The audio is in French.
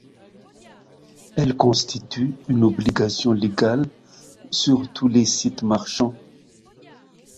Elles constituent une obligation légale sur tous les sites marchands.